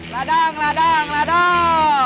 ladang ladang ladang